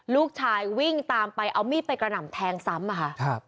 ลูกชายวิ่งตามไปเอามีดไปกระหน่ำแทงซ้ำอะค่ะ